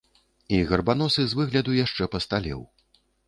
І гарбаносы з выгляду яшчэ пасталеў.